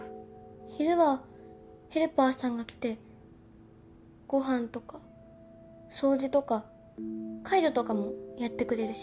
昼はヘルパーさんが来てご飯とか掃除とか介助とかもやってくれるし。